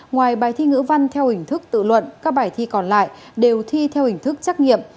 ngoài bài thi ngữ văn theo hình thức tự luận các bài thi còn lại đều thi theo hình thức trắc nghiệm